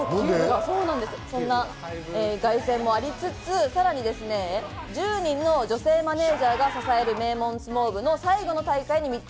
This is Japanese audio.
そんな凱旋もありつつ、さらに１０人の女性マネジャーが支える名門相撲部の最後の大会に密着。